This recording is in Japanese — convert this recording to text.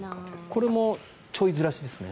これもちょいずらしですね。